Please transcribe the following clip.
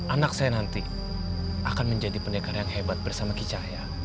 anak saya nanti akan menjadi pendekar yang hebat bersama kicahya